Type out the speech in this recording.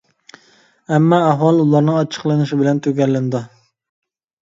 ئەمما ئەھۋال ئۇلارنىڭ ئاچچىقلىنىشى بىلەن تۈگەللىنىدۇ.